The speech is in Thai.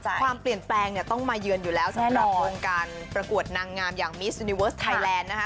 ความเปลี่ยนแปลงเนี่ยต้องมาเยือนอยู่แล้วสำหรับวงการประกวดนางงามอย่างมิสยูนิเวิร์สไทยแลนด์นะคะ